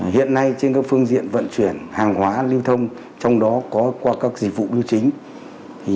hiện nay trên các phương diện vận chuyển hàng hóa lưu thông trong đó có qua các dịch vụ biêu chính